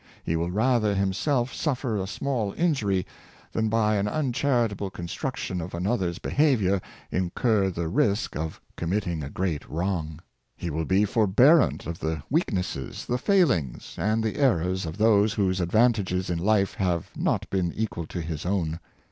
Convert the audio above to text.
He will rather himself suffer a small injury, than by an uncharitable construction of another's behavior, incur the risk of committing a great wrong. He will be forbearant of the weaknesses, the failings, and the errors, of those whose advantages in life have not been equal to his own.